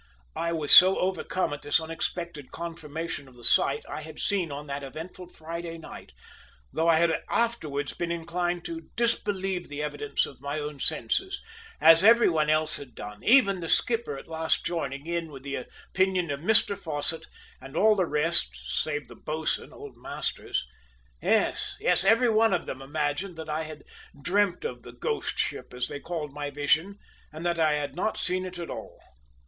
I was so overcome at this unexpected confirmation of the sight I had seen on that eventful Friday night, though I had afterwards been inclined to disbelieve the evidence of my own senses, as everybody else had done, even the skipper at last joining in with the opinion of Mr Fosset and all the rest, save the boatswain, old Masters. Yes, yes; every one them imagined that I had dreamt of "the ghost ship" as they called my vision, and that I had not seen it at all!